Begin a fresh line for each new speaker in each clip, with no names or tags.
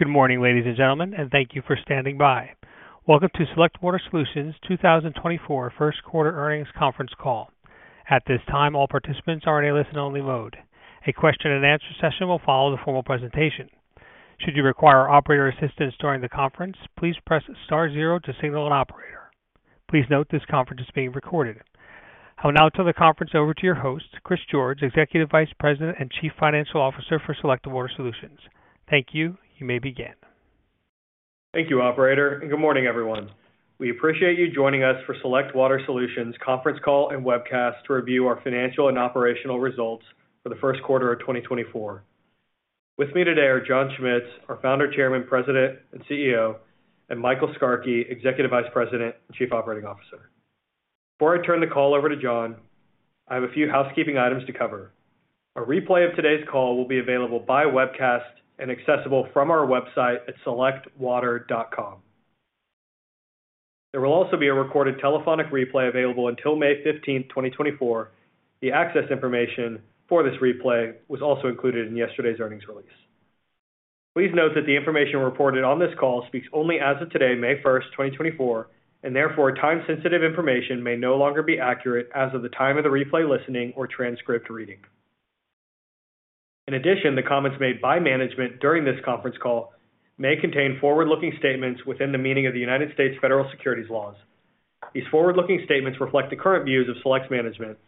Good morning, ladies and gentlemen, and thank you for standing by. Welcome to Select Water Solutions' 2024 First Quarter Earnings Conference Call. At this time, all participants are in a listen-only mode. A question-and-answer session will follow the formal presentation. Should you require operator assistance during the conference, please press star zero to signal an operator. Please note this conference is being recorded. I will now turn the conference over to your host, Chris George, Executive Vice President and Chief Financial Officer for Select Water Solutions. Thank you. You may begin.
Thank you, Operator, and good morning, everyone. We appreciate you joining us for Select Water Solutions' conference call and webcast to review our financial and operational results for the first quarter of 2024. With me today are John Schmitz, our Founder, Chairman, President and CEO, and Michael Skarke, Executive Vice President and Chief Operating Officer. Before I turn the call over to John, I have a few housekeeping items to cover. A replay of today's call will be available by webcast and accessible from our website at selectwater.com. There will also be a recorded telephonic replay available until May 15, 2024. The access information for this replay was also included in yesterday's earnings release. Please note that the information reported on this call speaks only as of today, May 1, 2024, and therefore time-sensitive information may no longer be accurate as of the time of the replay listening or transcript reading. In addition, the comments made by management during this conference call may contain forward-looking statements within the meaning of the United States federal securities laws. These forward-looking statements reflect the current views of Select's management.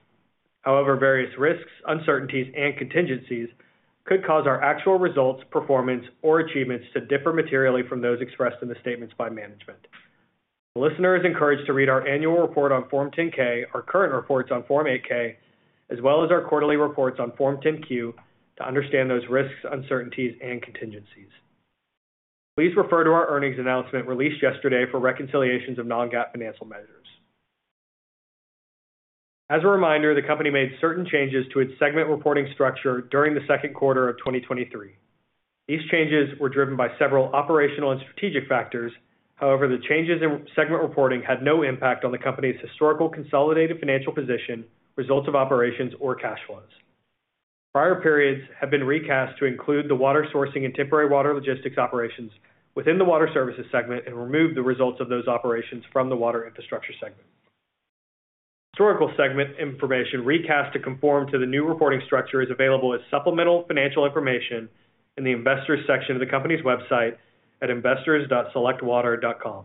However, various risks, uncertainties, and contingencies could cause our actual results, performance, or achievements to differ materially from those expressed in the statements by management. The listener is encouraged to read our annual report on Form 10-K, our current reports on Form 8-K, as well as our quarterly reports on Form 10-Q to understand those risks, uncertainties, and contingencies. Please refer to our earnings announcement released yesterday for reconciliations of non-GAAP financial measures. As a reminder, the company made certain changes to its segment reporting structure during the second quarter of 2023. These changes were driven by several operational and strategic factors. However, the changes in segment reporting had no impact on the company's historical consolidated financial position, results of operations, or cash flows. Prior periods have been recast to include the water sourcing and temporary water logistics operations within the Water Services segment and removed the results of those operations from the Water Infrastructure segment. Historical segment information recast to conform to the new reporting structure is available as supplemental financial information in the Investors section of the company's website at investors.selectwater.com.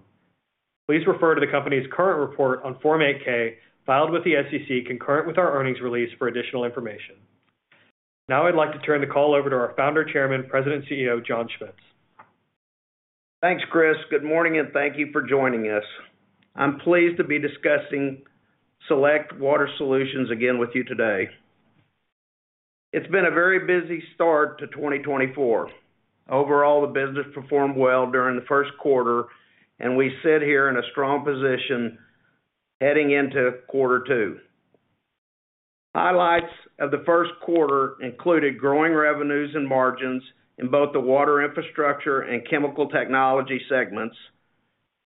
Please refer to the company's current report on Form 8-K filed with the SEC concurrent with our earnings release for additional information. Now I'd like to turn the call over to our Founder, Chairman, President and CEO, John Schmitz.
Thanks, Chris. Good morning, and thank you for joining us. I'm pleased to be discussing Select Water Solutions again with you today. It's been a very busy start to 2024. Overall, the business performed well during the first quarter, and we sit here in a strong position heading into quarter two. Highlights of the first quarter included growing revenues and margins in both the Water Infrastructure and Chemical Technology segments,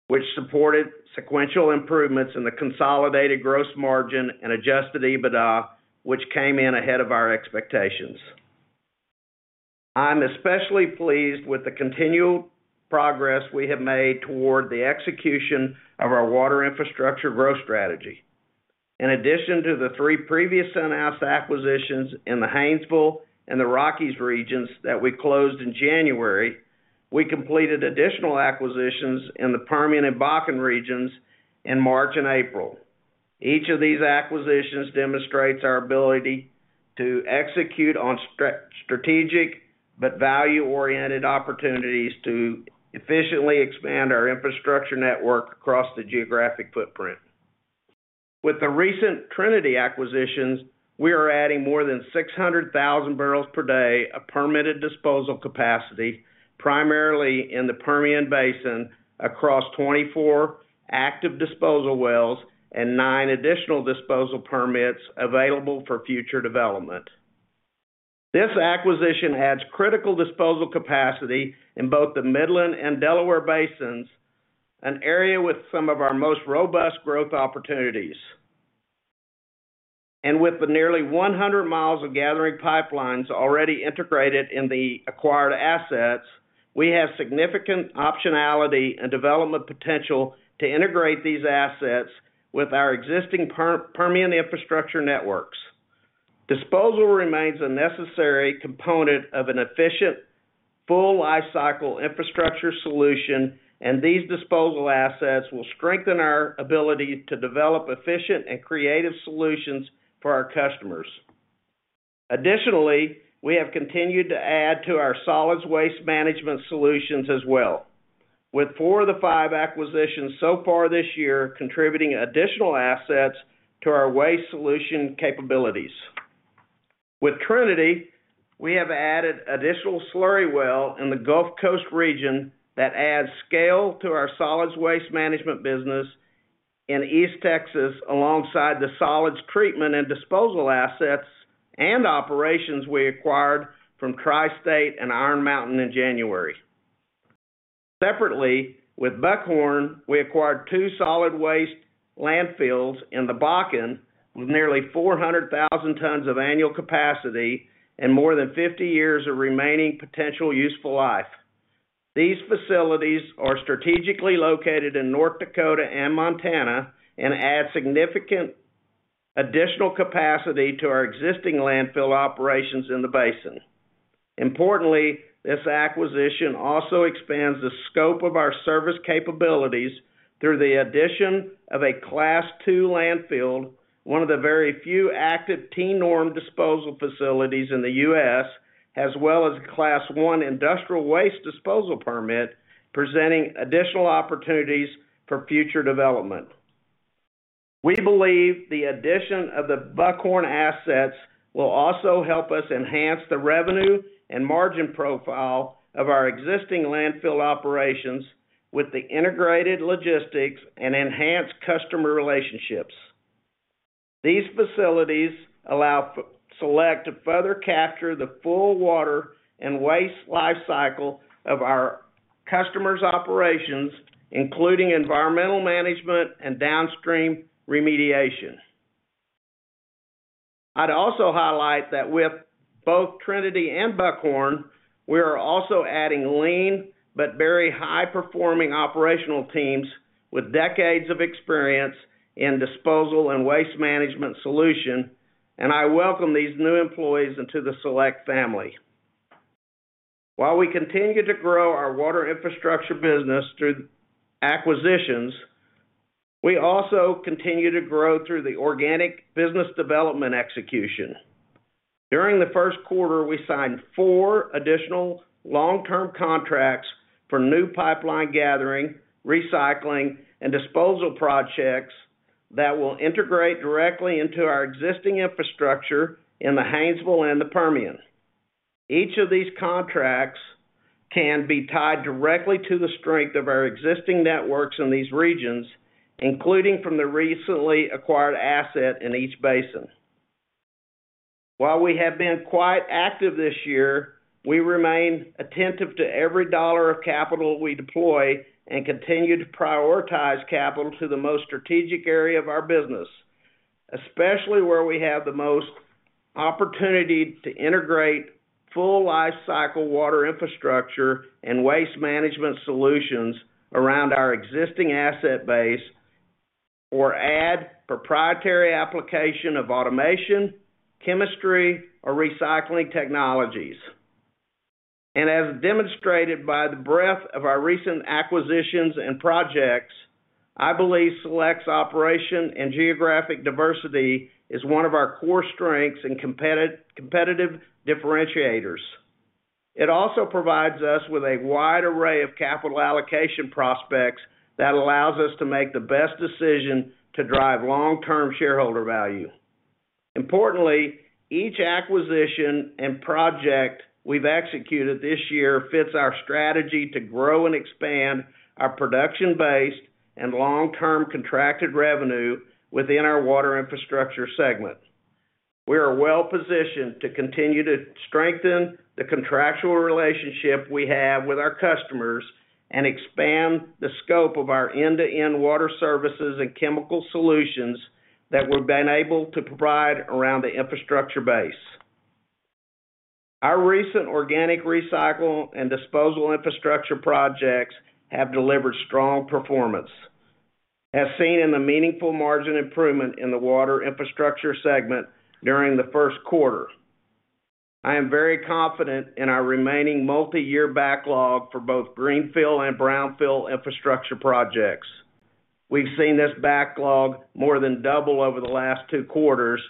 which supported sequential improvements in the consolidated gross margin and adjusted EBITDA, which came in ahead of our expectations. I'm especially pleased with the continual progress we have made toward the execution of our Water Infrastructure growth strategy. In addition to the three previous in-house acquisitions in the Haynesville and the Rockies regions that we closed in January, we completed additional acquisitions in the Permian and Bakken regions in March and April. Each of these acquisitions demonstrates our ability to execute on strategic but value-oriented opportunities to efficiently expand our infrastructure network across the geographic footprint. With the recent Trinity acquisitions, we are adding more than 600,000 barrels per day of permitted disposal capacity, primarily in the Permian Basin across 24 active disposal wells and nine additional disposal permits available for future development. This acquisition adds critical disposal capacity in both the Midland and Delaware Basins, an area with some of our most robust growth opportunities. With the nearly 100 miles of gathering pipelines already integrated in the acquired assets, we have significant optionality and development potential to integrate these assets with our existing Permian infrastructure networks. Disposal remains a necessary component of an efficient, full-life cycle infrastructure solution, and these disposal assets will strengthen our ability to develop efficient and creative solutions for our customers. Additionally, we have continued to add to our solid waste management solutions as well, with four of the five acquisitions so far this year contributing additional assets to our waste solution capabilities. With Trinity, we have added additional slurry well in the Gulf Coast region that adds scale to our solids waste management business in East Texas alongside the solids treatment and disposal assets and operations we acquired from Tri-State and Iron Mountain in January. Separately, with Buckhorn, we acquired two solid waste landfills in the Bakken with nearly 400,000 tons of annual capacity and more than 50 years of remaining potential useful life. These facilities are strategically located in North Dakota and Montana and add significant additional capacity to our existing landfill operations in the Basin. Importantly, this acquisition also expands the scope of our service capabilities through the addition of a Class II landfill, one of the very few active TENORM disposal facilities in the U.S., as well as a Class I industrial waste disposal permit presenting additional opportunities for future development. We believe the addition of the Buckhorn assets will also help us enhance the revenue and margin profile of our existing landfill operations with the integrated logistics and enhanced customer relationships. These facilities allow Select to further capture the full water and waste life cycle of our customers' operations, including environmental management and downstream remediation. I'd also highlight that with both Trinity and Buckhorn, we are also adding lean but very high-performing operational teams with decades of experience in disposal and waste management solutions, and I welcome these new employees into the Select family. While we continue to grow our Water Infrastructure business through acquisitions, we also continue to grow through the organic business development execution. During the first quarter, we signed four additional long-term contracts for new pipeline gathering, recycling, and disposal projects that will integrate directly into our existing infrastructure in the Haynesville and the Permian. Each of these contracts can be tied directly to the strength of our existing networks in these regions, including from the recently acquired asset in each basin. While we have been quite active this year, we remain attentive to every dollar of capital we deploy and continue to prioritize capital to the most strategic area of our business, especially where we have the most opportunity to integrate full-life cycle Water Infrastructure and waste management solutions around our existing asset base or add proprietary application of automation, chemistry, or recycling technologies. As demonstrated by the breadth of our recent acquisitions and projects, I believe Select's operation and geographic diversity is one of our core strengths and competitive differentiators. It also provides us with a wide array of capital allocation prospects that allows us to make the best decision to drive long-term shareholder value. Importantly, each acquisition and project we've executed this year fits our strategy to grow and expand our production-based and long-term contracted revenue within our Water Infrastructure segment. We are well-positioned to continue to strengthen the contractual relationship we have with our customers and expand the scope of our end-to-end Water Services and Chemical Solutions that we've been able to provide around the infrastructure base. Our recent organic recycle and disposal infrastructure projects have delivered strong performance, as seen in the meaningful margin improvement in the Water Infrastructure segment during the first quarter. I am very confident in our remaining multi-year backlog for both greenfield and brownfield infrastructure projects. We've seen this backlog more than double over the last two quarters,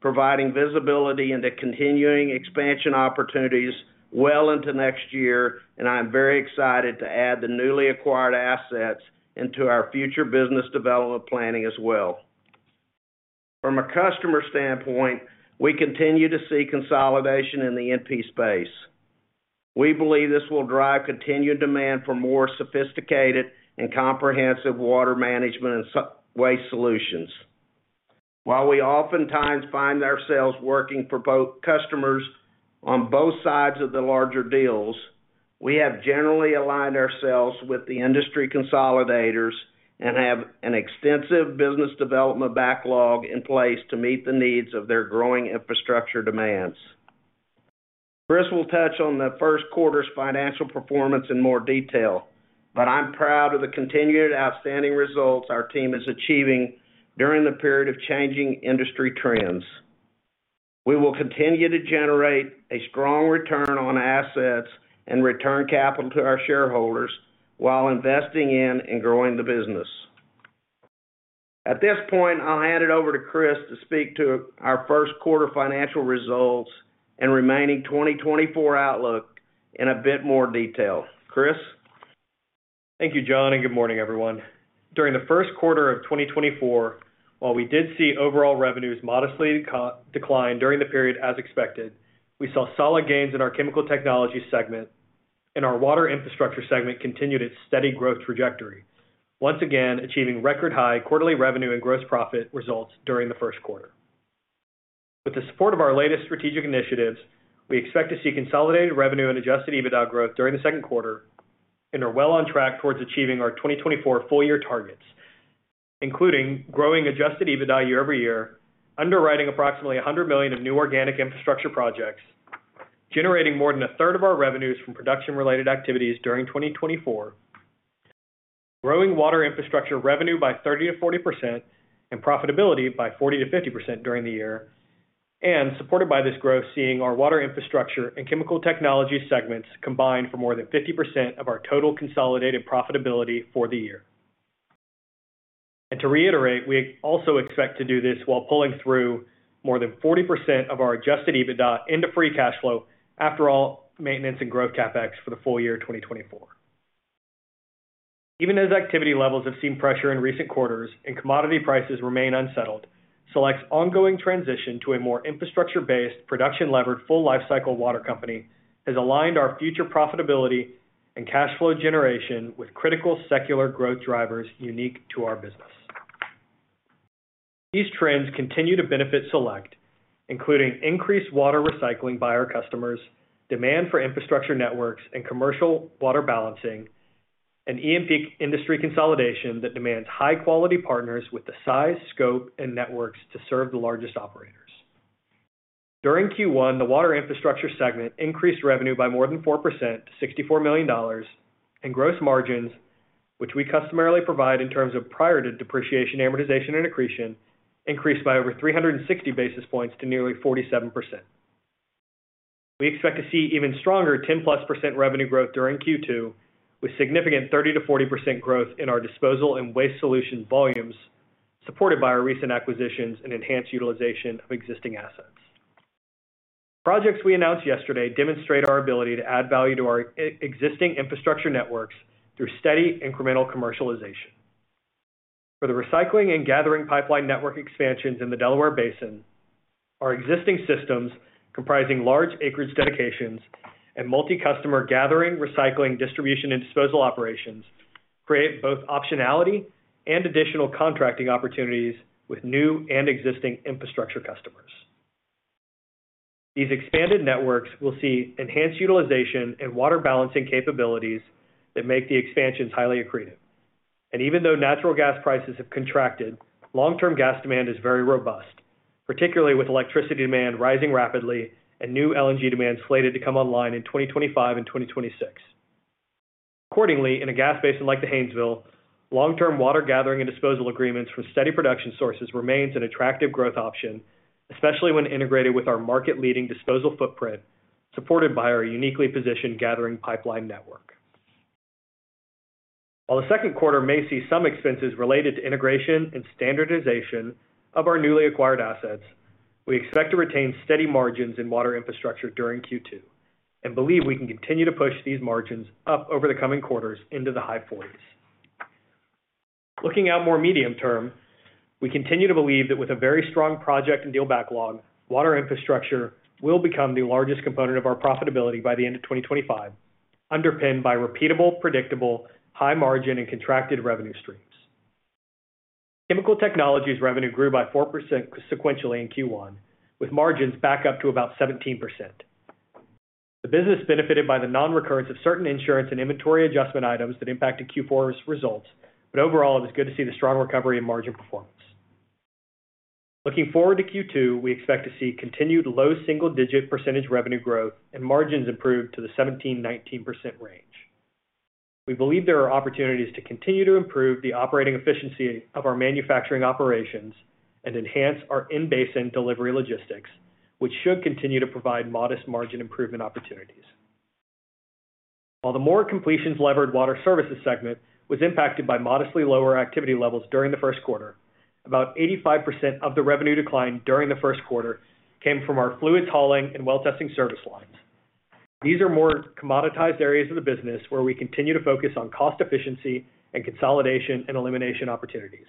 providing visibility into continuing expansion opportunities well into next year, and I am very excited to add the newly acquired assets into our future business development planning as well. From a customer standpoint, we continue to see consolidation in the E&P space. We believe this will drive continued demand for more sophisticated and comprehensive water management and waste solutions. While we oftentimes find ourselves working for customers on both sides of the larger deals, we have generally aligned ourselves with the industry consolidators and have an extensive business development backlog in place to meet the needs of their growing infrastructure demands. Chris will touch on the first quarter's financial performance in more detail, but I'm proud of the continued outstanding results our team is achieving during the period of changing industry trends. We will continue to generate a strong return on assets and return capital to our shareholders while investing in and growing the business. At this point, I'll hand it over to Chris to speak to our first quarter financial results and remaining 2024 outlook in a bit more detail. Chris?
Thank you, John, and good morning, everyone. During the first quarter of 2024, while we did see overall revenues modestly decline during the period as expected, we saw solid gains in our Chemical Technology segment, and our Water Infrastructure segment continued its steady growth trajectory, once again achieving record high quarterly revenue and gross profit results during the first quarter. With the support of our latest strategic initiatives, we expect to see consolidated revenue and adjusted EBITDA growth during the second quarter and are well on track towards achieving our 2024 full-year targets, including growing adjusted EBITDA year-over-year, underwriting approximately $100 million of new organic infrastructure projects, generating more than a third of our revenues from production-related activities during 2024, growing Water Infrastructure revenue by 30%-40% and profitability by 40%-50% during the year, and supported by this growth seeing our Water Infrastructure and Chemical Technology segments combine for more than 50% of our total consolidated profitability for the year. To reiterate, we also expect to do this while pulling through more than 40% of our adjusted EBITDA into free cash flow, after all maintenance and growth CapEx for the full year 2024. Even as activity levels have seen pressure in recent quarters and commodity prices remain unsettled, Select's ongoing transition to a more infrastructure-based, production-levered, full-life cycle water company has aligned our future profitability and cash flow generation with critical secular growth drivers unique to our business. These trends continue to benefit Select, including increased water recycling by our customers, demand for infrastructure networks and commercial water balancing, and E&P industry consolidation that demands high-quality partners with the size, scope, and networks to serve the largest operators. During Q1, the Water Infrastructure segment increased revenue by more than 4% to $64 million, and gross margins, which we customarily provide in terms of prior to depreciation, amortization, and accretion, increased by over 360 basis points to nearly 47%. We expect to see even stronger 10%+ revenue growth during Q2, with significant 30%-40% growth in our disposal and waste solution volumes supported by our recent acquisitions and enhanced utilization of existing assets. Projects we announced yesterday demonstrate our ability to add value to our existing infrastructure networks through steady incremental commercialization. For the recycling and gathering pipeline network expansions in the Delaware Basin, our existing systems comprising large acreage dedications and multi-customer gathering, recycling, distribution, and disposal operations create both optionality and additional contracting opportunities with new and existing infrastructure customers. These expanded networks will see enhanced utilization and water balancing capabilities that make the expansions highly accretive. Even though natural gas prices have contracted, long-term gas demand is very robust, particularly with electricity demand rising rapidly and new LNG demand slated to come online in 2025 and 2026. Accordingly, in a gas basin like the Haynesville, long-term water gathering and disposal agreements from steady production sources remain an attractive growth option, especially when integrated with our market-leading disposal footprint supported by our uniquely positioned gathering pipeline network. While the second quarter may see some expenses related to integration and standardization of our newly acquired assets, we expect to retain steady margins in Water Infrastructure during Q2 and believe we can continue to push these margins up over the coming quarters into the high 40s. Looking out more medium term, we continue to believe that with a very strong project and deal backlog, Water Infrastructure will become the largest component of our profitability by the end of 2025, underpinned by repeatable, predictable, high-margin, and contracted revenue streams. Chemical Technologies' revenue grew by 4% sequentially in Q1, with margins back up to about 17%. The business benefited by the non-recurrence of certain insurance and inventory adjustment items that impacted Q4's results, but overall, it was good to see the strong recovery in margin performance. Looking forward to Q2, we expect to see continued low single-digit percentage revenue growth and margins improve to the 17%-19% range. We believe there are opportunities to continue to improve the operating efficiency of our manufacturing operations and enhance our in-basin delivery logistics, which should continue to provide modest margin improvement opportunities. While the more completions-leveraged Water Services segment was impacted by modestly lower activity levels during the first quarter, about 85% of the revenue decline during the first quarter came from our fluids hauling and well-testing service lines. These are more commoditized areas of the business where we continue to focus on cost efficiency and consolidation and elimination opportunities.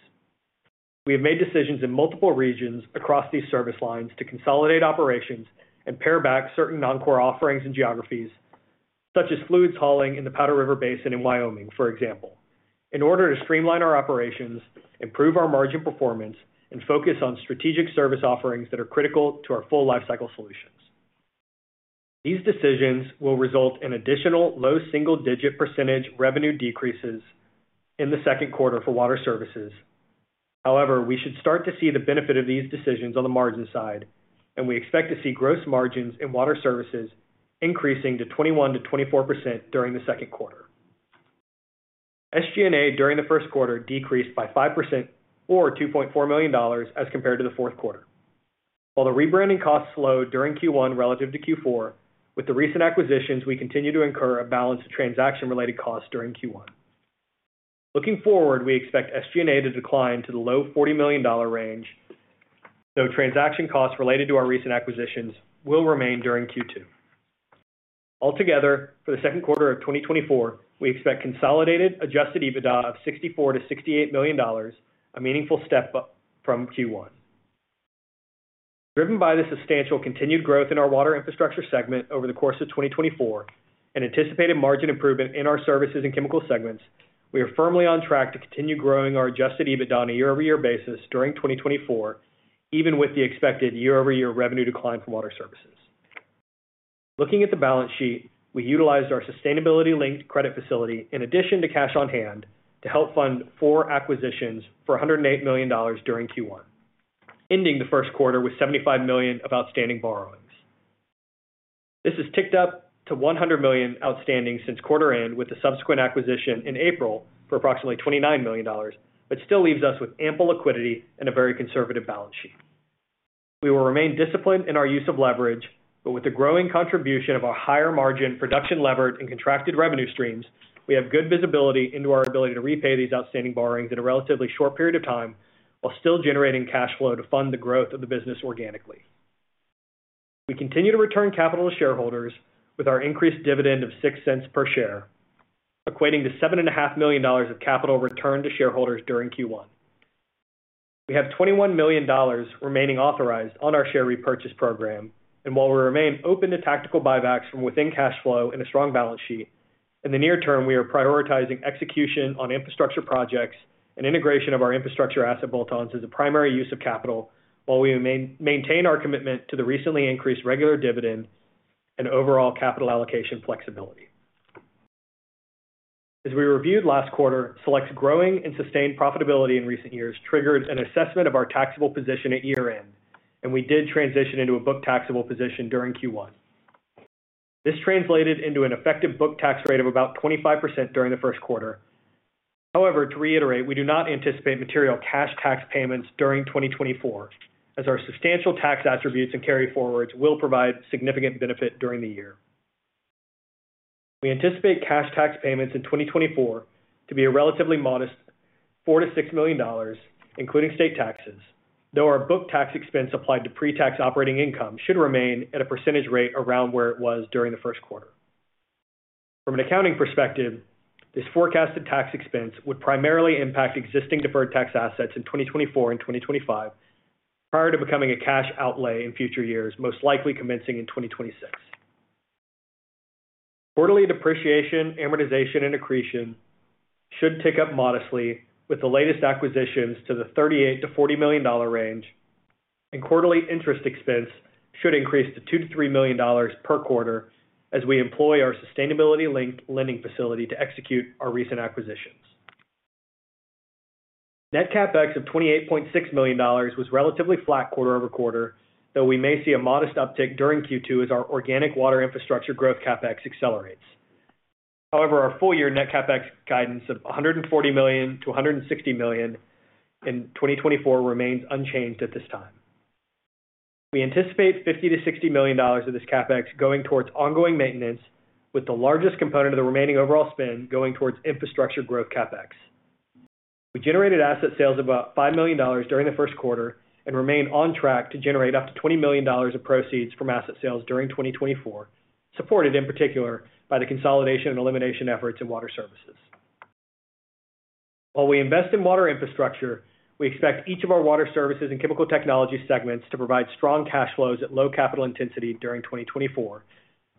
We have made decisions in multiple regions across these service lines to consolidate operations and pare back certain non-core offerings in geographies, such as fluid hauling in the Powder River Basin Wyoming, for example, in order to streamline our operations, improve our margin performance, and focus on strategic service offerings that are critical to our full-life cycle solutions. These decisions will result in additional low single-digit percentage revenue decreases in the second quarter for Water Services. However, we should start to see the benefit of these decisions on the margin side, and we expect to see gross margins in Water Services increasing to 21%-24% during the second quarter. SG&A during the first quarter decreased by 5% or $2.4 million as compared to the fourth quarter, while the rebranding costs slowed during Q1 relative to Q4. With the recent acquisitions, we continue to incur a balance of transaction-related costs during Q1. Looking forward, we expect SG&A to decline to the low $40 million range, though transaction costs related to our recent acquisitions will remain during Q2. Altogether, for the second quarter of 2024, we expect consolidated adjusted EBITDA of $64 million-$68 million, a meaningful step up from Q1. Driven by the substantial continued growth in our Water Infrastructure segment over the course of 2024 and anticipated margin improvement in our Services and Chemical segments, we are firmly on track to continue growing our adjusted EBITDA on a year-over-year basis during 2024, even with the expected year-over-year revenue decline for Water Services. Looking at the balance sheet, we utilized our Sustainability-Linked Credit Facility in addition to cash on hand to help fund four acquisitions for $108 million during Q1, ending the first quarter with $75 million of outstanding borrowings. This has ticked up to $100 million outstanding since quarter end with the subsequent acquisition in April for approximately $29 million, but still leaves us with ample liquidity and a very conservative balance sheet. We will remain disciplined in our use of leverage, but with the growing contribution of our higher-margin production-levered and contracted revenue streams, we have good visibility into our ability to repay these outstanding borrowings in a relatively short period of time while still generating cash flow to fund the growth of the business organically. We continue to return capital to shareholders with our increased dividend of $0.06 per share, equating to $7.5 million of capital returned to shareholders during Q1. We have $21 million remaining authorized on our share repurchase program, and while we remain open to tactical buybacks from within cash flow and a strong balance sheet, in the near term, we are prioritizing execution on infrastructure projects and integration of our infrastructure asset bolt-ons as a primary use of capital, while we maintain our commitment to the recently increased regular dividend and overall capital allocation flexibility. As we reviewed last quarter, Select's growing and sustained profitability in recent years triggered an assessment of our taxable position at year end, and we did transition into a book taxable position during Q1. This translated into an effective book tax rate of about 25% during the first quarter. However, to reiterate, we do not anticipate material cash tax payments during 2024, as our substantial tax attributes and carry-forwards will provide significant benefit during the year. We anticipate cash tax payments in 2024 to be a relatively modest $4 milion-$6 million, including state taxes, though our book tax expense applied to pre-tax operating income should remain at a percentage rate around where it was during the first quarter. From an accounting perspective, this forecasted tax expense would primarily impact existing deferred tax assets in 2024 and 2025, prior to becoming a cash outlay in future years, most likely commencing in 2026. Quarterly depreciation, amortization, and accretion should tick up modestly with the latest acquisitions to the $38 million-$40 million range, and quarterly interest expense should increase to $2 million-$3 million per quarter as we employ our sustainability-linked lending facility to execute our recent acquisitions. Net CapEx of $28.6 million was relatively flat quarter-over-quarter, though we may see a modest uptick during Q2 as our organic Water Infrastructure growth CapEx accelerates. However, our full-year net CapEx guidance of $140 million-$160 million in 2024 remains unchanged at this time. We anticipate $50 million-$60 million of this CapEx going towards ongoing maintenance, with the largest component of the remaining overall spend going towards infrastructure growth CapEx. We generated asset sales of about $5 million during the first quarter and remain on track to generate up to $20 million of proceeds from asset sales during 2024, supported in particular by the consolidation and elimination efforts in Water Services. While we invest in Water Infrastructure, we expect each of our Water Services and Chemical Technology segments to provide strong cash flows at low capital intensity during 2024,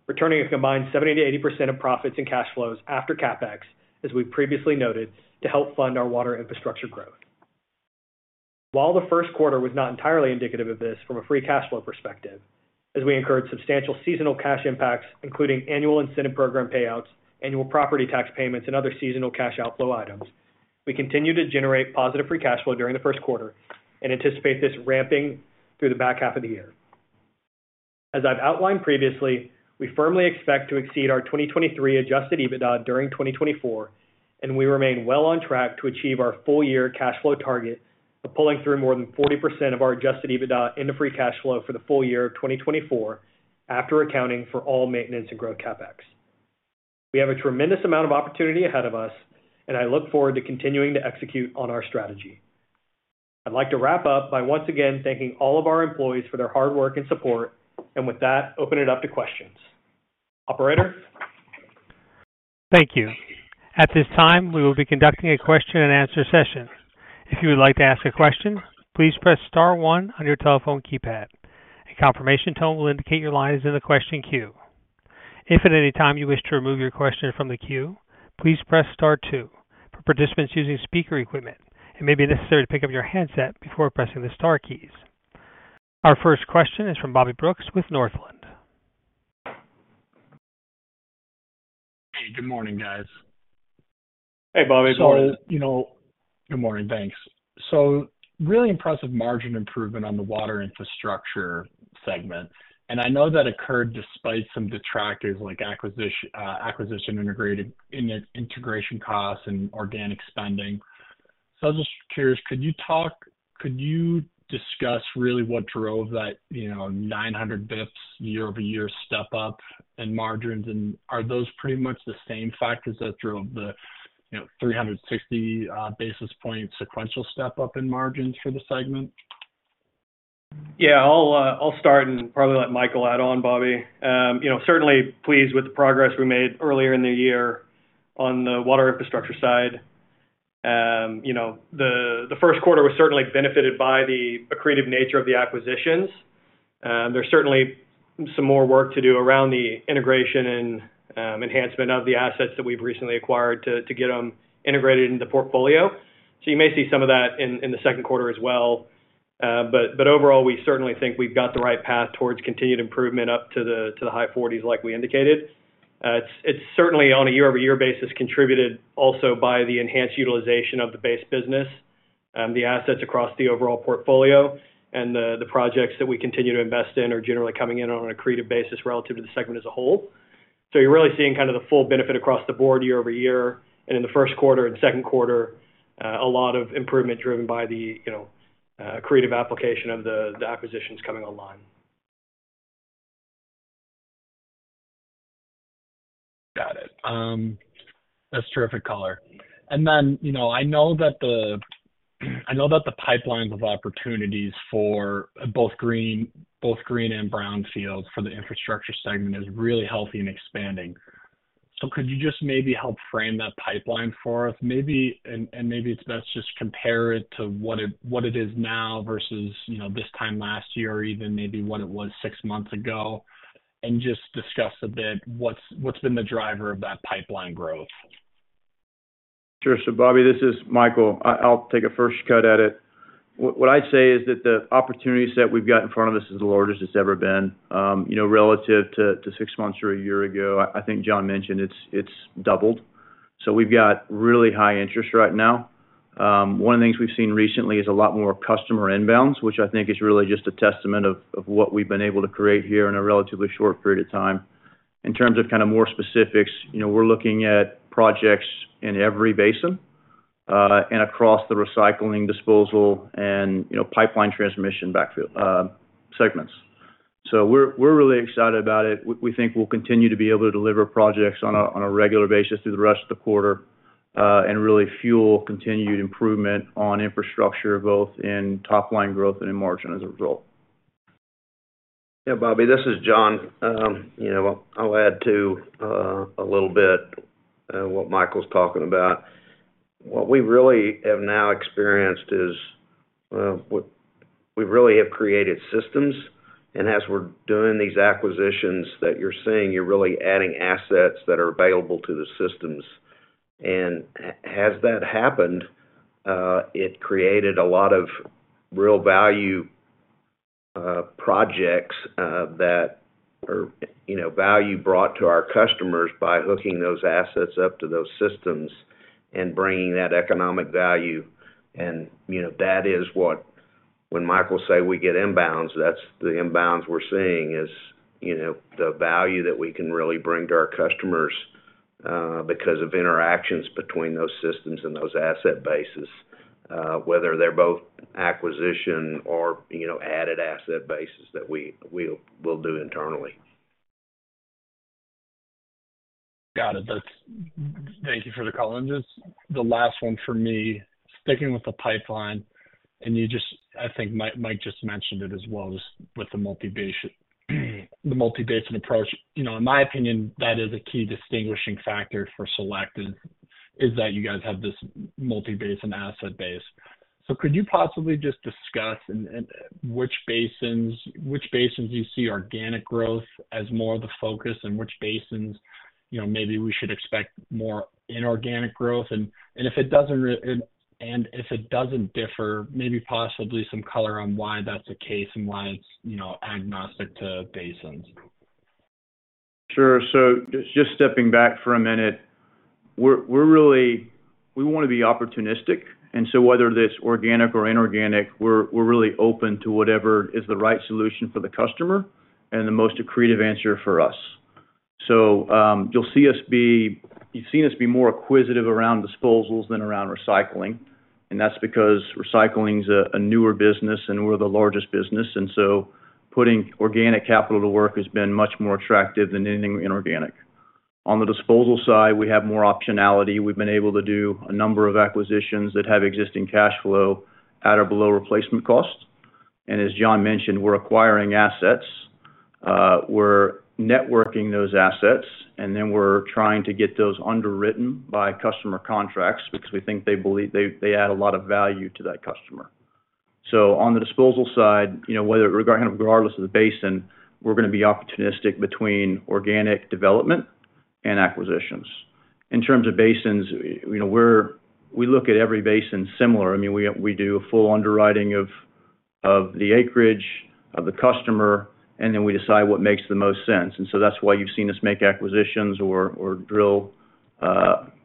returning a combined 70%-80% of profits and cash flows after CapEx, as we've previously noted, to help fund our Water Infrastructure growth. While the first quarter was not entirely indicative of this from a free cash flow perspective, as we incurred substantial seasonal cash impacts, including annual incentive program payouts, annual property tax payments, and other seasonal cash outflow items, we continue to generate positive free cash flow during the first quarter and anticipate this ramping through the back half of the year. As I've outlined previously, we firmly expect to exceed our 2023 adjusted EBITDA during 2024, and we remain well on track to achieve our full-year cash flow target of pulling through more than 40% of our adjusted EBITDA into free cash flow for the full year of 2024, after accounting for all maintenance and growth CapEx. We have a tremendous amount of opportunity ahead of us, and I look forward to continuing to execute on our strategy. I'd like to wrap up by once again thanking all of our employees for their hard work and support, and with that, open it up to questions. Operator.
Thank you. At this time, we will be conducting a question-and-answer session. If you would like to ask a question, please press star one on your telephone keypad. A confirmation tone will indicate your line is in the question queue. If at any time you wish to remove your question from the queue, please press star two. For participants using speaker equipment, it may be necessary to pick up your handset before pressing the star keys. Our first question is from Bobby Brooks with Northland.
Hey, good morning, guys.
Hey, Bobby.
So, you know. Good morning. Thanks. So really impressive margin improvement on the Water Infrastructure segment, and I know that occurred despite some detractors like acquisition integration costs and organic spending. So I'm just curious, could you discuss really what drove that, you know, 900 basis points year-over-year step up in margins, and are those pretty much the same factors that drove the, you know, 360 basis point sequential step up in margins for the segment?
Yeah, I'll start and probably let Michael add on, Bobby. Certainly pleased with the progress we made earlier in the year on the Water Infrastructure side. You know, the first quarter was certainly benefited by the accretive nature of the acquisitions. There's certainly some more work to do around the integration and enhancement of the assets that we've recently acquired to get them integrated into the portfolio. So you may see some of that in the second quarter as well. But overall, we certainly think we've got the right path towards continued improvement up to the high 40s like we indicated. It's certainly on a year-over-year basis contributed also by the enhanced utilization of the base business, the assets across the overall portfolio, and the projects that we continue to invest in are generally coming in on an accretive basis relative to the segment as a whole. So you're really seeing kind of the full benefit across the board year-over-year. And in the first quarter and second quarter, a lot of improvement driven by the, you know, accretive application of the acquisitions coming online.
Got it. That's terrific color. And then, you know, I know that the pipelines of opportunities for both green and brownfields for the Infrastructure segment is really healthy and expanding. So could you just maybe help frame that pipeline for us? Maybe it's best just compare it to what it is now versus, you know, this time last year or even maybe what it was six months ago and just discuss a bit what's been the driver of that pipeline growth?
Sure. So, Bobby, this is Michael. I'll take a first cut at it. What I'd say is that the opportunities that we've got in front of us is the largest it's ever been, you know, relative to six months or a year ago. I think John mentioned it's doubled. So we've got really high interest right now. One of the things we've seen recently is a lot more customer inbounds, which I think is really just a testament of what we've been able to create here in a relatively short period of time. In terms of kind of more specifics, you know, we're looking at projects in every basin and across the recycling, disposal, and pipeline transmission segments. So we're really excited about it. We think we'll continue to be able to deliver projects on a regular basis through the rest of the quarter and really fuel continued improvement on infrastructure, both in top-line growth and in margin as a result.
Yeah, Bobby, this is John. You know, I'll add to a little bit what Michael's talking about. What we really have now experienced is we really have created systems, and as we're doing these acquisitions that you're seeing, you're really adding assets that are available to the systems. And has that happened, it created a lot of real value projects that are, you know, value brought to our customers by hooking those assets up to those systems and bringing that economic value. And, you know, that is what when Michael say we get inbounds, that's the inbounds we're seeing is, you know, the value that we can really bring to our customers because of interactions between those systems and those asset bases, whether they're both acquisition or, you know, added asset bases that we'll do internally.
Got it. Thank you for the call. Just the last one for me, sticking with the pipeline, and you just—I think Mike just mentioned it as well—just with the multi-basin approach. You know, in my opinion, that is a key distinguishing factor for Select is that you guys have this multi-basin asset base. So could you possibly just discuss which basins you see organic growth as more of the focus and which basins, you know, maybe we should expect more inorganic growth? And if it doesn't differ maybe possibly some color on why that's the case and why it's, you know, agnostic to basins.
Sure. So just stepping back for a minute, we want to be opportunistic. And so whether it's organic or inorganic, we're really open to whatever is the right solution for the customer and the most accretive answer for us. So you'll see us be. You've seen us be more acquisitive around disposals than around recycling. And that's because recycling is a newer business and we're the largest business. And so putting organic capital to work has been much more attractive than anything inorganic. On the disposal side, we have more optionality. We've been able to do a number of acquisitions that have existing cash flow at or below replacement cost. And as John mentioned, we're acquiring assets. We're networking those assets, and then we're trying to get those underwritten by customer contracts because we think they add a lot of value to that customer. So on the disposal side, you know, regardless of the basin, we're going to be opportunistic between organic development and acquisitions. In terms of basins, you know, we look at every basin similar. I mean, we do a full underwriting of the acreage of the customer, and then we decide what makes the most sense. And so that's why you've seen us make acquisitions or drill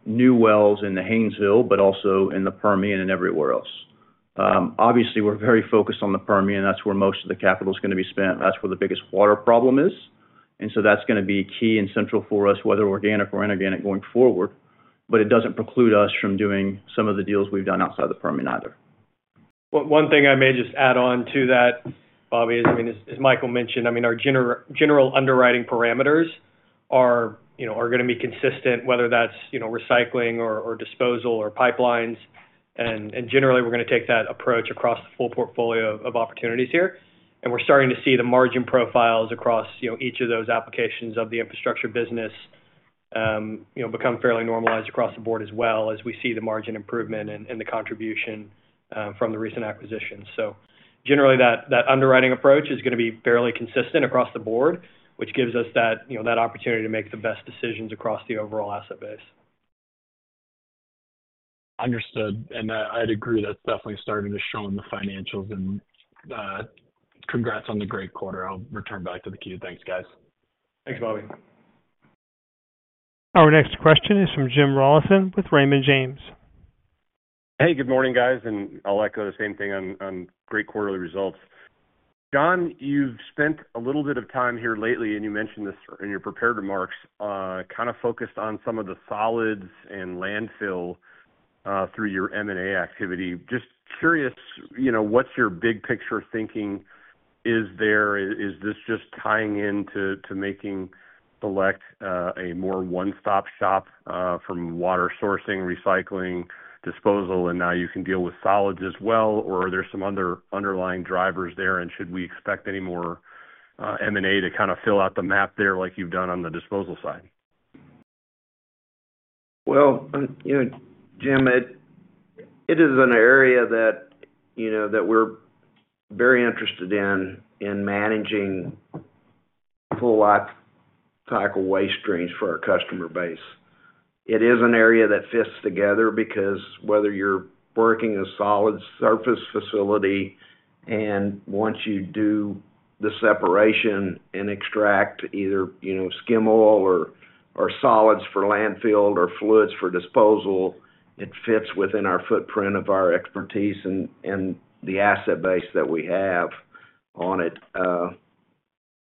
new wells in the Haynesville, but also in the Permian and everywhere else. Obviously, we're very focused on the Permian, and that's where most of the capital is going to be spent. That's where the biggest water problem is. And so that's going to be key and central for us, whether organic or inorganic going forward. But it doesn't preclude us from doing some of the deals we've done outside the Permian either.
One thing I may just add on to that, Bobby, is, I mean, as Michael mentioned, I mean, our general underwriting parameters are going to be consistent, whether that's recycling or disposal or pipelines. Generally, we're going to take that approach across the full portfolio of opportunities here. We're starting to see the margin profiles across each of those applications of the infrastructure business become fairly normalized across the board as well as we see the margin improvement and the contribution from the recent acquisitions. Generally, that underwriting approach is going to be fairly consistent across the board, which gives us that opportunity to make the best decisions across the overall asset base.
Understood. I'd agree that's definitely starting to show in the financials. Congrats on the great quarter. I'll return back to the queue. Thanks, guys.
Thanks, Bobby.
Our next question is from Jim Rollyson with Raymond James.
Hey, good morning, guys. I'll echo the same thing on great quarterly results. John, you've spent a little bit of time here lately, and you mentioned this in your prepared remarks, kind of focused on some of the solids and landfill through your M&A activity. Just curious, you know, what's your big picture thinking is there? Is this just tying into making Select a more one-stop shop from water sourcing, recycling, disposal, and now you can deal with solids as well? Or are there some other underlying drivers there, and should we expect any more M&A to kind of fill out the map there like you've done on the disposal side?
Well, you know, Jim, it is an area that we're very interested in managing full cycle waste streams for our customer base. It is an area that fits together because whether you're working a solids surface facility, and once you do the separation and extract either skim oil or solids for landfill or fluids for disposal, it fits within our footprint of our expertise and the asset base that we have on it.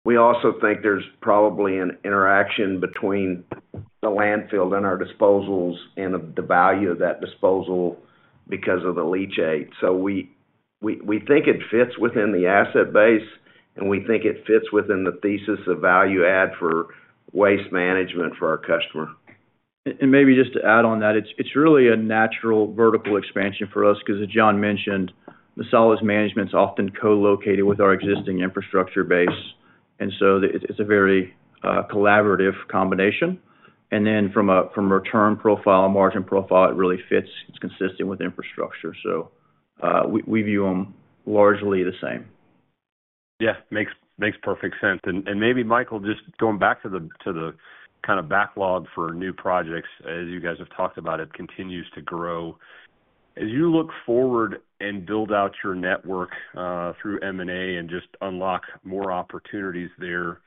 We also think there's probably an interaction between the landfill and our disposals and the value of that disposal because of the leachate. So we think it fits within the asset base, and we think it fits within the thesis of value add for waste management for our customer.
And maybe just to add on that, it's really a natural vertical expansion for us because, as John mentioned, the solids management is often co-located with our existing infrastructure base. And so it's a very collaborative combination. And then from a return profile, margin profile, it really fits. It's consistent with infrastructure. So we view them largely the same.
Yeah, makes perfect sense. And maybe, Michael, just going back to the kind of backlog for new projects, as you guys have talked about, it continues to grow. As you look forward and build out your network through M&A and just unlock more opportunities there,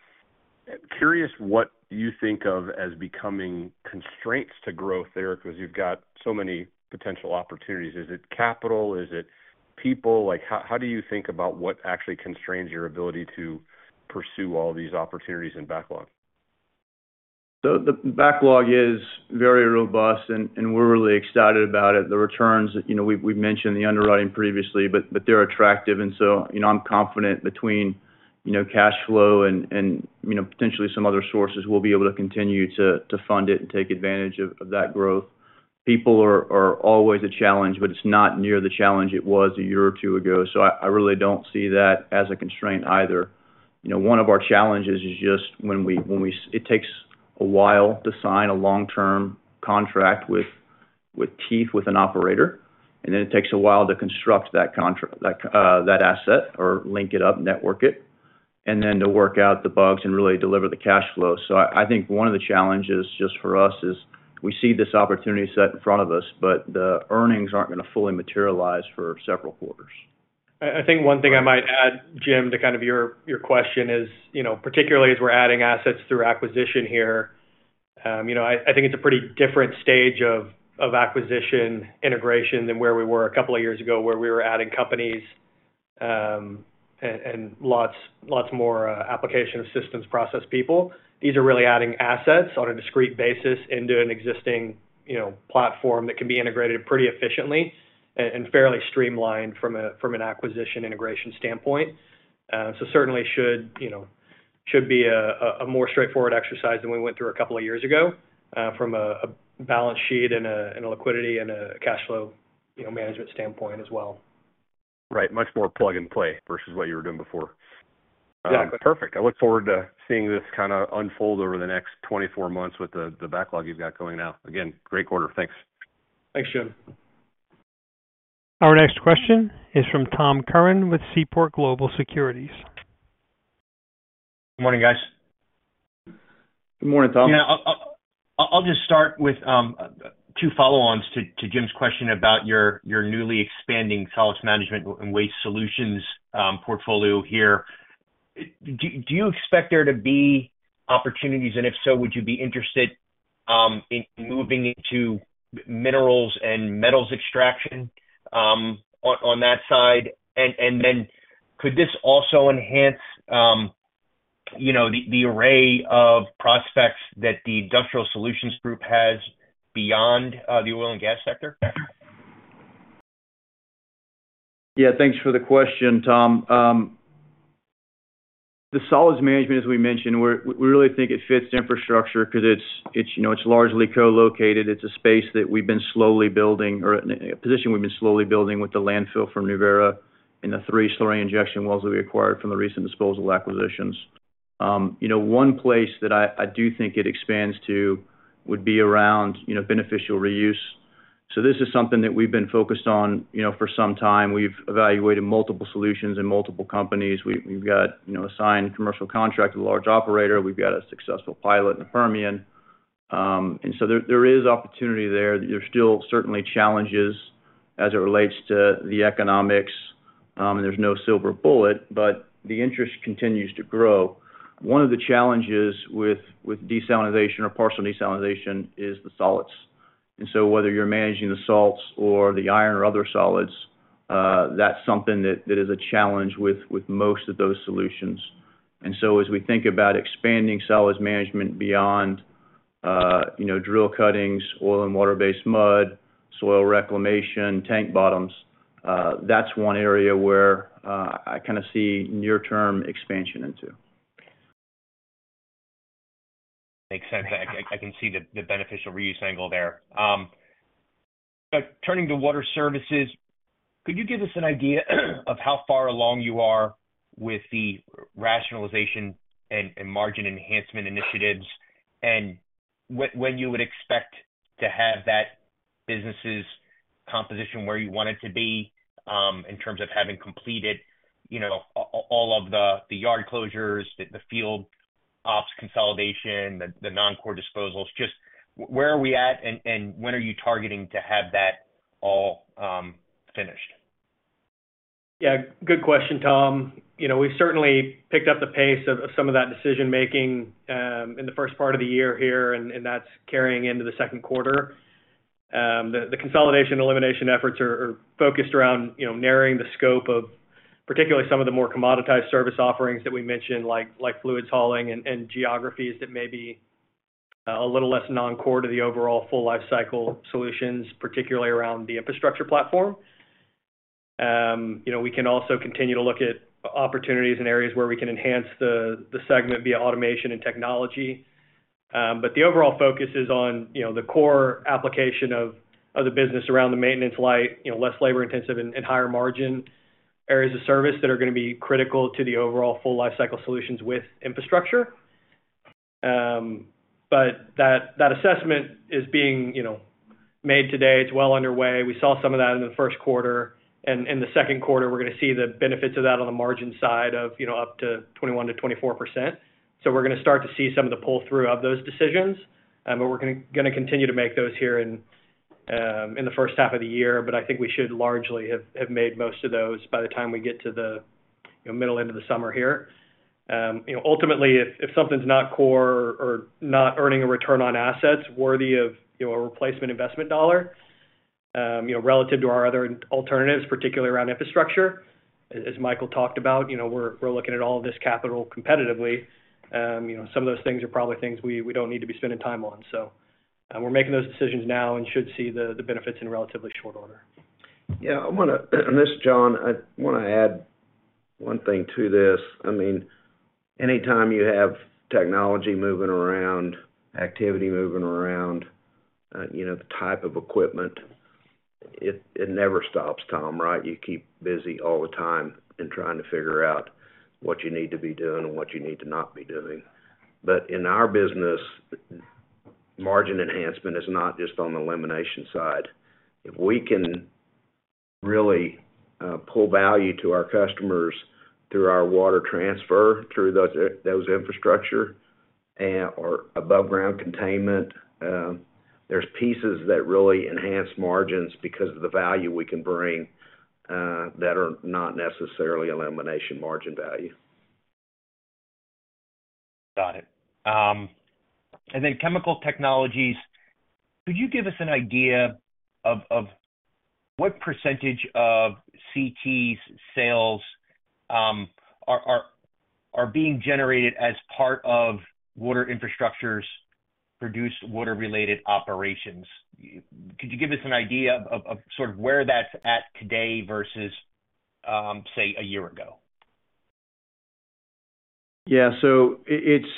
curious what you think of as becoming constraints to growth there because you've got so many potential opportunities. Is it capital? Is it people? How do you think about what actually constrains your ability to pursue all these opportunities and backlog?
So the backlog is very robust, and we're really excited about it. The returns, you know, we've mentioned the underwriting previously, but they're attractive. So, you know, I'm confident between, you know, cash flow and, you know, potentially some other sources, we'll be able to continue to fund it and take advantage of that growth. People are always a challenge, but it's not nearly the challenge it was a year or two ago. So I really don't see that as a constraint either. You know, one of our challenges is just when it takes a while to sign a long-term contract with teeth with an operator, and then it takes a while to construct that asset or link it up, network it, and then to work out the bugs and really deliver the cash flow. So I think one of the challenges just for us is we see this opportunity set in front of us, but the earnings aren't going to fully materialize for several quarters.
I think one thing I might add, Jim, to kind of your question is, you know, particularly as we're adding assets through acquisition here, you know, I think it's a pretty different stage of acquisition integration than where we were a couple of years ago where we were adding companies and lots more application of systems, process, people. These are really adding assets on a discrete basis into an existing platform that can be integrated pretty efficiently and fairly streamlined from an acquisition integration standpoint. So certainly should be a more straightforward exercise than we went through a couple of years ago from a balance sheet and a liquidity and a cash flow management standpoint as well.
Right. Much more plug-and-play versus what you were doing before. Perfect. I look forward to seeing this kind of unfold over the next 24 months with the backlog you've got going now. Again, great quarter. Thanks.
Thanks, Jim.
Our next question is from Tom Curran with Seaport Global Securities.
Good morning, guys.
Good morning, Tom.
Yeah. I'll just start with two follow-ons to Jim's question about your newly expanding solids management and waste solutions portfolio here. Do you expect there to be opportunities, and if so, would you be interested in moving into minerals and metals extraction on that side? And then could this also enhance the array of prospects that the Industrial Solutions Group has beyond the oil and gas sector?
Yeah. Thanks for the question, Tom. The solids management, as we mentioned, we really think it fits infrastructure because it's largely co-located. It's a space that we've been slowly building or a position we've been slowly building with the landfill from Nuverra and the three slurry injection wells that we acquired from the recent disposal acquisitions. One place that I do think it expands to would be around beneficial reuse. So this is something that we've been focused on for some time. We've evaluated multiple solutions in multiple companies. We've got a signed commercial contract with a large operator. We've got a successful pilot in the Permian. And so there is opportunity there. There's still certainly challenges as it relates to the economics, and there's no silver bullet, but the interest continues to grow. One of the challenges with desalination or partial desalination is the solids. And so whether you're managing the salts or the iron or other solids, that's something that is a challenge with most of those solutions. And so as we think about expanding solids management beyond drill cuttings, oil- and water-based mud, soil reclamation, tank bottoms, that's one area where I kind of see near-term expansion into.
Makes sense. I can see the beneficial reuse angle there. Turning to Water Services, could you give us an idea of how far along you are with the rationalization and margin enhancement initiatives and when you would expect to have that business's composition where you want it to be in terms of having completed all of the yard closures, the field ops consolidation, the non-core disposals? Just where are we at, and when are you targeting to have that all finished?
Yeah. Good question, Tom. We've certainly picked up the pace of some of that decision-making in the first part of the year here, and that's carrying into the second quarter. The consolidation and elimination efforts are focused around narrowing the scope of particularly some of the more commoditized service offerings that we mentioned, like fluids hauling and geographies that may be a little less non-core to the overall full lifecycle solutions, particularly around the infrastructure platform. We can also continue to look at opportunities and areas where we can enhance the segment via automation and technology. But the overall focus is on the core application of the business around the maintenance light, less labor-intensive, and higher margin areas of service that are going to be critical to the overall full lifecycle solutions with infrastructure. But that assessment is being made today. It's well underway. We saw some of that in the first quarter. And in the second quarter, we're going to see the benefits of that on the margin side of up to 21%-24%. So we're going to start to see some of the pull-through of those decisions. But we're going to continue to make those here in the first half of the year. But I think we should largely have made most of those by the time we get to the middle end of the summer here. Ultimately, if something's not core or not earning a return on assets worthy of a replacement investment dollar relative to our other alternatives, particularly around infrastructure, as Michael talked about, we're looking at all of this capital competitively. Some of those things are probably things we don't need to be spending time on. So we're making those decisions now and should see the benefits in relatively short order. Yeah. This is John, I want to add one thing to this. I mean, anytime you have technology moving around, activity moving around, the type of equipment, it never stops, Tom, right? You keep busy all the time in trying to figure out what you need to be doing and what you need to not be doing. But in our business, margin enhancement is not just on the elimination side. If we can really pull value to our customers through our water transfer, through those infrastructure, or above-ground containment, there's pieces that really enhance margins because of the value we can bring that are not necessarily elimination margin value.
Got it. And then Chemical Technologies, could you give us an idea of what percentage of CT sales are being generated as part of Water Infrastructure's produced water-related operations? Could you give us an idea of sort of where that's at today versus, say, a year ago?
Yeah. So it's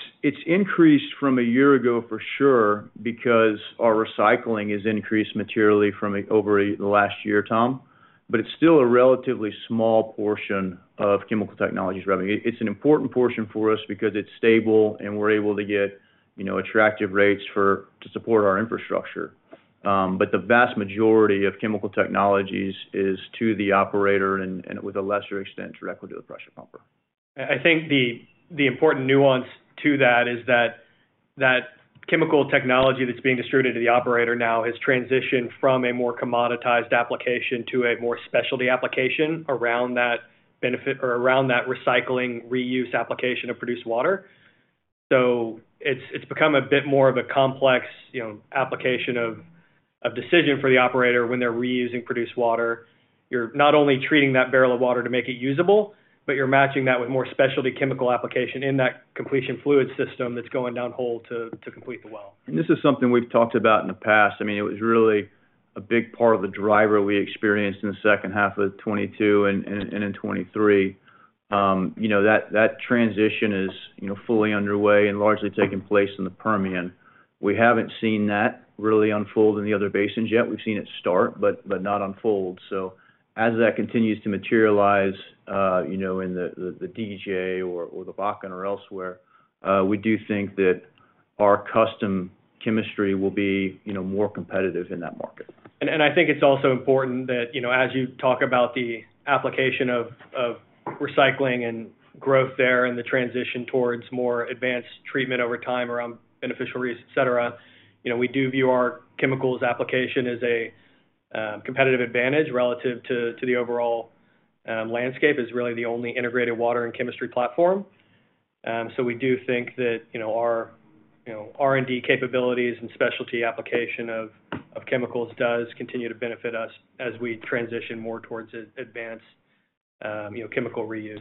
increased from a year ago, for sure, because our recycling has increased materially over the last year, Tom. But it's still a relatively small portion of Chemical Technologies revenue. It's an important portion for us because it's stable, and we're able to get attractive rates to support our infrastructure. But the vast majority of Chemical Technologies is to the operator and, with a lesser extent, directly to the pressure pumper.
I think the important nuance to that is that Chemical Technologies that's being distributed to the operator now has transitioned from a more commoditized application to a more specialty application around that benefit or around that recycling, reuse application of produced water. So it's become a bit more of a complex application of decision for the operator when they're reusing produced water. You're not only treating that barrel of water to make it usable, but you're matching that with more specialty chemical application in that completion fluid system that's going downhole to complete the well.
This is something we've talked about in the past. I mean, it was really a big part of the driver we experienced in the second half of 2022 and in 2023. That transition is fully underway and largely taking place in the Permian. We haven't seen that really unfold in the other basins yet. We've seen it start, but not unfold. As that continues to materialize in the DJ or the Bakken or elsewhere, we do think that our custom chemistry will be more competitive in that market.
And I think it's also important that as you talk about the application of recycling and growth there and the transition towards more advanced treatment over time around beneficial reuse, etc., we do view our chemicals application as a competitive advantage relative to the overall landscape as really the only integrated water and chemistry platform. So we do think that our R&D capabilities and specialty application of chemicals does continue to benefit us as we transition more towards advanced chemical reuse.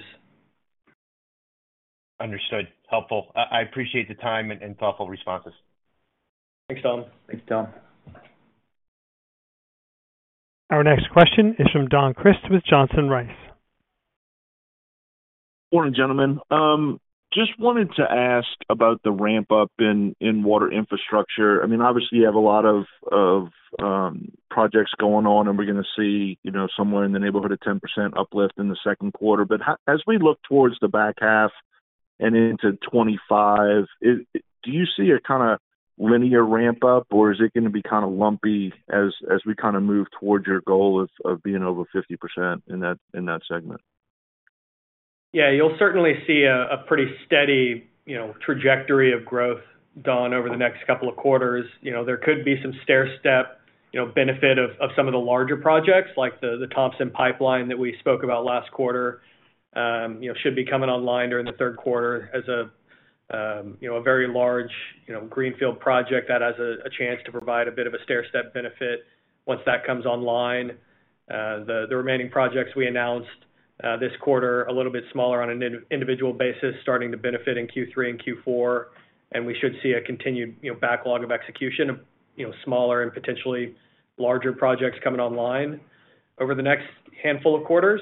Understood. Helpful. I appreciate the time and thoughtful responses.
Thanks, Tom.
Thanks, Tom.
Our next question is from Don Crist with Johnson Rice.
Morning, gentlemen. Just wanted to ask about the ramp-up in Water Infrastructure. I mean, obviously, you have a lot of projects going on, and we're going to see somewhere in the neighborhood of 10% uplift in the second quarter. But as we look towards the back half and into 2025, do you see a kind of linear ramp-up, or is it going to be kind of lumpy as we kind of move towards your goal of being over 50% in that segment?
Yeah. You'll certainly see a pretty steady trajectory of growth, Don, over the next couple of quarters. There could be some stairstep benefit of some of the larger projects, like the Thompson pipeline that we spoke about last quarter, should be coming online during the third quarter as a very large greenfield project that has a chance to provide a bit of a stairstep benefit once that comes online. The remaining projects we announced this quarter, a little bit smaller on an individual basis, starting to benefit in Q3 and Q4. And we should see a continued backlog of execution, smaller and potentially larger projects coming online over the next handful of quarters.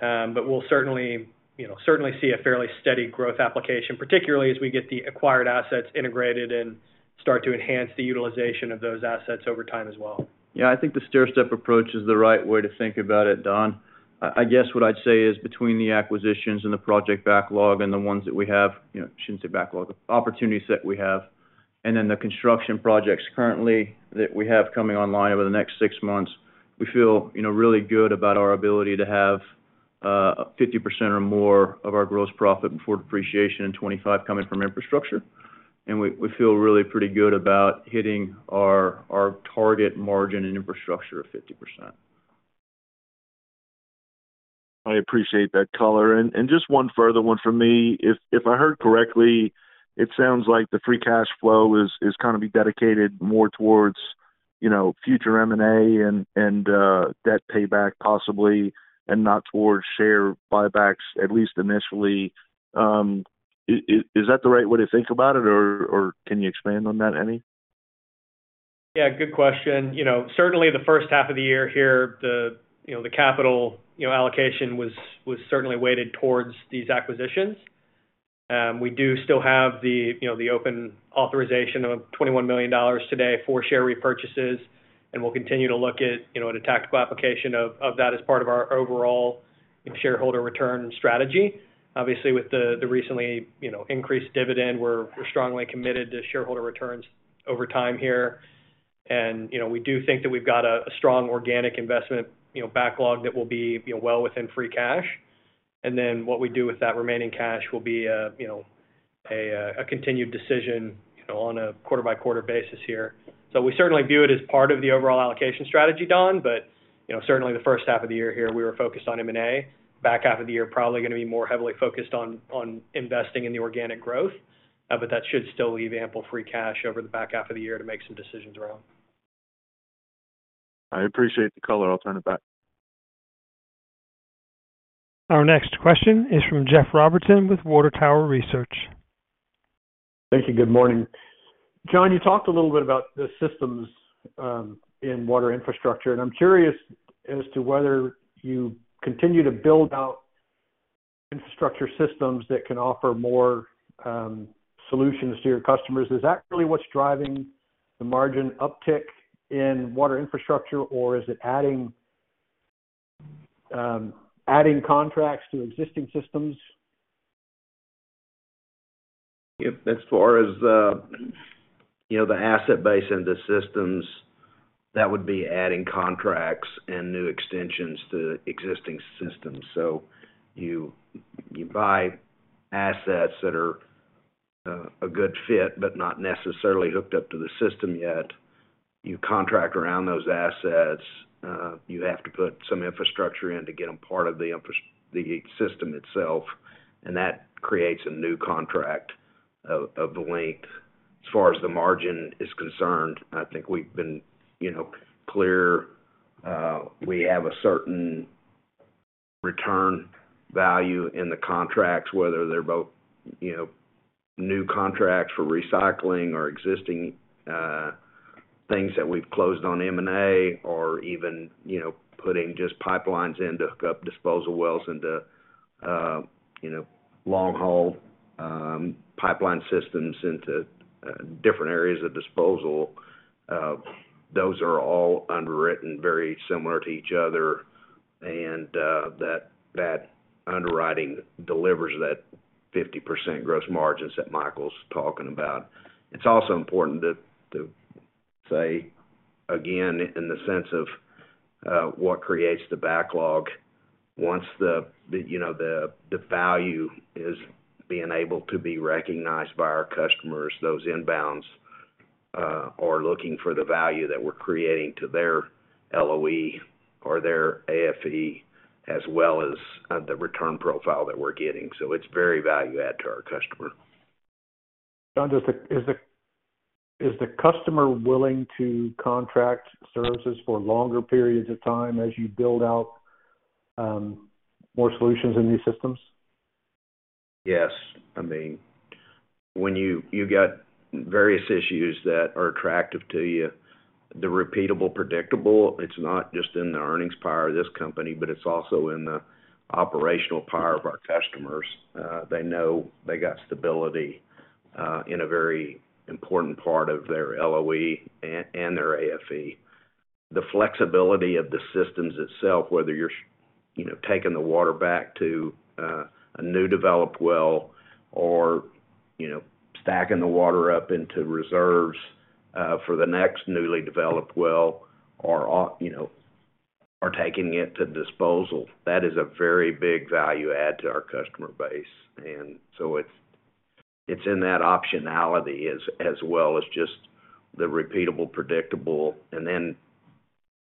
But we'll certainly see a fairly steady growth application, particularly as we get the acquired assets integrated and start to enhance the utilization of those assets over time as well.
Yeah. I think the stairstep approach is the right way to think about it, Don. I guess what I'd say is between the acquisitions and the project backlog and the ones that we have I shouldn't say backlog, opportunities that we have, and then the construction projects currently that we have coming online over the next six months, we feel really good about our ability to have 50% or more of our gross profit before depreciation in 2025 coming from infrastructure. And we feel really pretty good about hitting our target margin in infrastructure of 50%.
I appreciate that color. Just one further one from me. If I heard correctly, it sounds like the free cash flow is going to be dedicated more towards future M&A and debt payback possibly and not towards share buybacks, at least initially. Is that the right way to think about it, or can you expand on that any?
Yeah. Good question. Certainly, the first half of the year here, the capital allocation was certainly weighted towards these acquisitions. We do still have the open authorization of $21 million today for share repurchases. We'll continue to look at a tactical application of that as part of our overall shareholder return strategy. Obviously, with the recently increased dividend, we're strongly committed to shareholder returns over time here. We do think that we've got a strong organic investment backlog that will be well within free cash. And then what we do with that remaining cash will be a continued decision on a quarter-by-quarter basis here. So we certainly view it as part of the overall allocation strategy, Don. But certainly, the first half of the year here, we were focused on M&A. Back half of the year, probably going to be more heavily focused on investing in the organic growth. But that should still leave ample free cash over the back half of the year to make some decisions around.
I appreciate the color. I'll turn it back.
Our next question is from Jeff Robertson with Water Tower Research.
Thank you. Good morning. John, you talked a little bit about the systems in Water Infrastructure. And I'm curious as to whether you continue to build out infrastructure systems that can offer more solutions to your customers. Is that really what's driving the margin uptick in Water Infrastructure, or is it adding contracts to existing systems?
As far as the asset base and the systems, that would be adding contracts and new extensions to existing systems. So you buy assets that are a good fit but not necessarily hooked up to the system yet. You contract around those assets. You have to put some infrastructure in to get them part of the system itself. And that creates a new contract of length. As far as the margin is concerned, I think we've been clear. We have a certain return value in the contracts, whether they're both new contracts for recycling or existing things that we've closed on M&A or even putting just pipelines in to hook up disposal wells into long-haul pipeline systems into different areas of disposal. Those are all underwritten very similar to each other. That underwriting delivers that 50% gross margins that Michael's talking about. It's also important to say, again, in the sense of what creates the backlog, once the value is being able to be recognized by our customers, those inbounds are looking for the value that we're creating to their LOE or their AFE as well as the return profile that we're getting. So it's very value-add to our customer.
John, is the customer willing to contract services for longer periods of time as you build out more solutions in these systems?
Yes. I mean, when you got various issues that are attractive to you, the repeatable, predictable, it's not just in the earnings power of this company, but it's also in the operational power of our customers. They know they got stability in a very important part of their LOE and their AFE. The flexibility of the systems itself, whether you're taking the water back to a new developed well or stacking the water up into reserves for the next newly developed well or taking it to disposal, that is a very big value-add to our customer base. It's in that optionality as well as just the repeatable, predictable, and then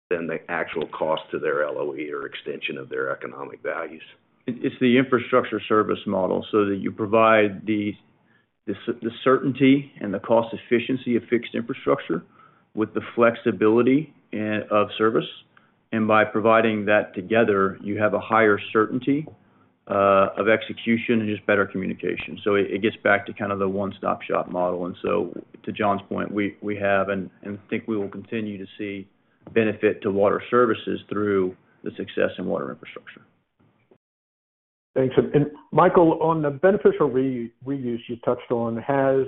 the actual cost to their LOE or extension of their economic values.
It's the infrastructure service model so that you provide the certainty and the cost efficiency of fixed infrastructure with the flexibility of service. By providing that together, you have a higher certainty of execution and just better communication. It gets back to kind of the one-stop-shop model. To John's point, we have and think we will continue to see benefit to Water Services through the success in Water Infrastructure.
Thanks. Michael, on the beneficial reuse you touched on, have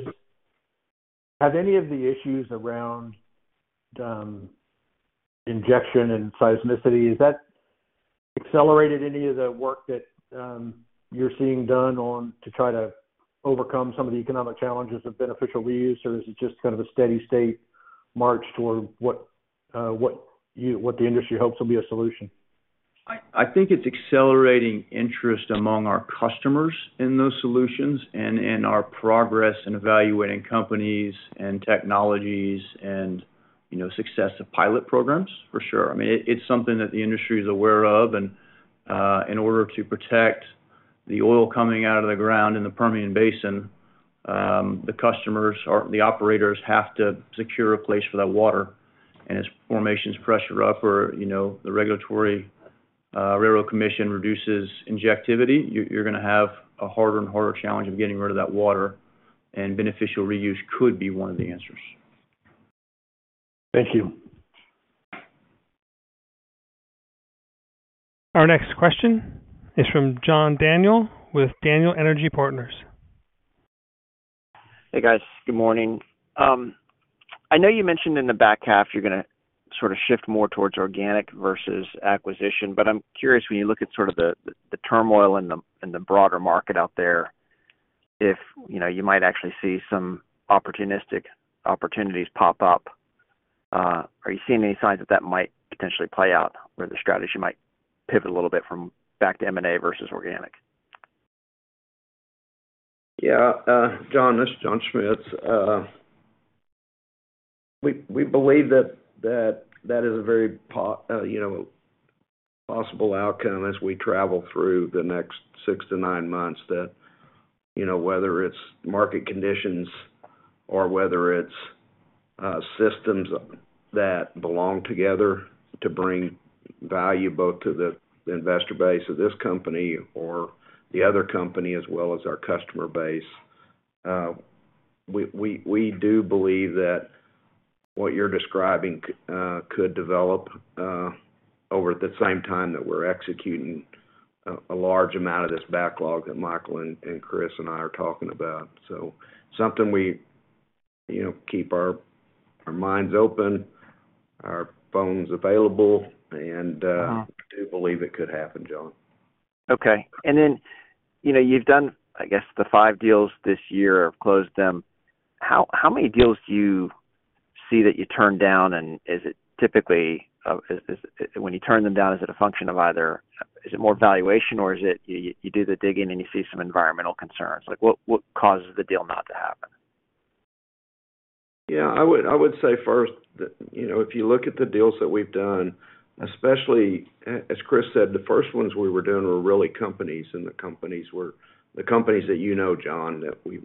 any of the issues around injection and seismicity, has that accelerated any of the work that you're seeing done to try to overcome some of the economic challenges of beneficial reuse, or is it just kind of a steady-state march toward what the industry hopes will be a solution?
I think it's accelerating interest among our customers in those solutions and in our progress in evaluating companies and technologies and success of pilot programs, for sure. I mean, it's something that the industry is aware of. In order to protect the oil coming out of the ground in the Permian Basin, the customers, the operators have to secure a place for that water. As formations pressure up or the regulatory Railroad Commission reduces injectivity, you're going to have a harder and harder challenge of getting rid of that water. And beneficial reuse could be one of the answers.
Thank you.
Our next question is from John Daniel with Daniel Energy Partners.
Hey, guys. Good morning. I know you mentioned in the back half you're going to sort of shift more towards organic versus acquisition. But I'm curious, when you look at sort of the turmoil in the broader market out there, if you might actually see some opportunistic opportunities pop up, are you seeing any signs that that might potentially play out where the strategy might pivot a little bit from back to M&A versus organic?
Yeah. John Schmitz, we believe that that is a very possible outcome as we travel through the next 6-9 months, that whether it's market conditions or whether it's systems that belong together to bring value both to the investor base of this company or the other company as well as our customer base, we do believe that what you're describing could develop over the same time that we're executing a large amount of this backlog that Michael and Chris and I are talking about. So something we keep our minds open, our phones available, and we do believe it could happen, John.
Okay. And then you've done, I guess, the 5 deals this year or closed them. How many deals do you see that you turn down? Is it typically when you turn them down, is it a function of either is it more valuation, or is it you do the digging and you see some environmental concerns? What causes the deal not to happen?
Yeah. I would say first, if you look at the deals that we've done, especially as Chris said, the first ones we were doing were really companies. The companies that you know, John, that we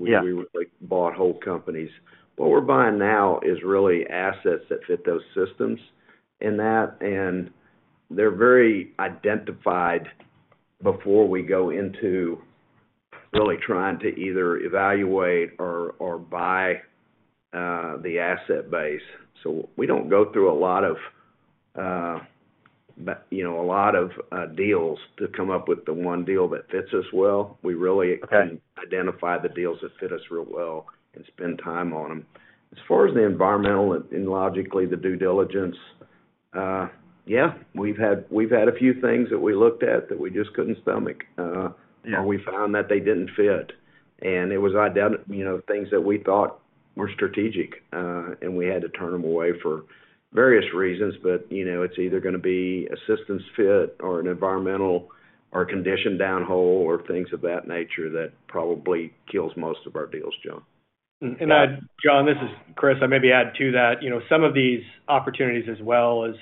bought whole companies, what we're buying now is really assets that fit those systems in that. They're very identified before we go into really trying to either evaluate or buy the asset base. So we don't go through a lot of deals to come up with the one deal that fits us well. We really can identify the deals that fit us real well and spend time on them. As far as the environmental and logically, the due diligence, yeah, we've had a few things that we looked at that we just couldn't stomach or we found that they didn't fit. It was things that we thought were strategic, and we had to turn them away for various reasons. It's either going to be a systems fit or an environmental or condition downhole or things of that nature that probably kills most of our deals, John.
John, this is Chris. I maybe add to that. Some of these opportunities, as well as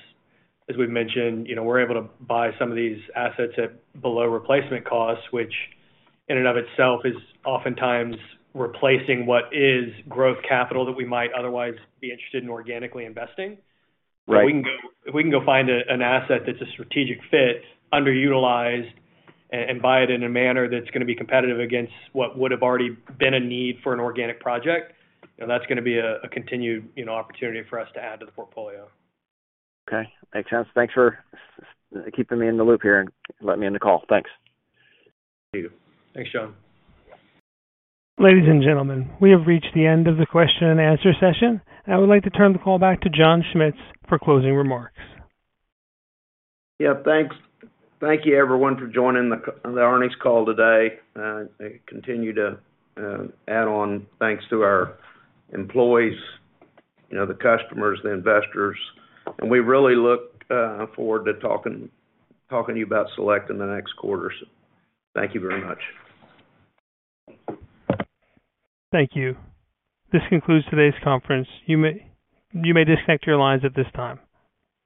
we've mentioned, we're able to buy some of these assets at below replacement costs, which in and of itself is oftentimes replacing what is growth capital that we might otherwise be interested in organically investing. If we can go find an asset that's a strategic fit, underutilized, and buy it in a manner that's going to be competitive against what would have already been a need for an organic project, that's going to be a continued opportunity for us to add to the portfolio.
Okay. Makes sense. Thanks for keeping me in the loop here and letting me in the call. Thanks.
You too. Thanks, John.
Ladies and gentlemen, we have reached the end of the question-and-answer session. I would like to turn the call back to John Schmitz for closing remarks.
Yeah. Thank you, everyone, for joining the earnings call today. I continue to add on thanks to our employees, the customers, the investors. We really look forward to talking to you about Select in the next quarter. So thank you very much.
Thank you. This concludes today's conference. You may disconnect your lines at this time.